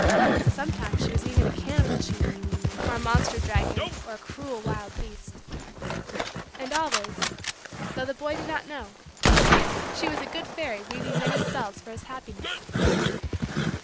Sometimes she was even a cannibal chief, or a monster dragon, or a cruel wild beast. And always though the boy did not know she was a good fairy weaving many spells for his happiness.